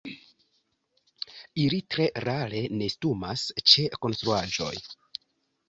Ili tre rare nestumas ĉe konstruaĵoj.